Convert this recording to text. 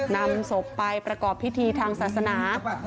นำศพไปประกอบพิธีทางศาสนา